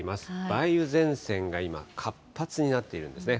梅雨前線が今、活発になっているんですね。